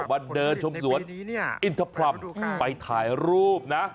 มาเดินชมสวนอินทพรัมไปถ่ายรูปนะ